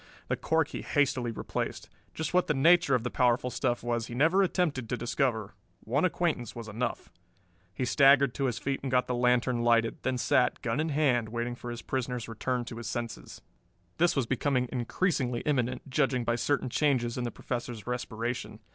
The cork he hastily replaced. Just what the nature of the powerful stuff was he never attempted to discover. One acquaintance was enough. He staggered to his feet and got the lantern lighted, then sat, gun in hand, waiting for his prisoner's return to his senses. This was becoming increasingly imminent, judging by certain changes in the Professor's respiration.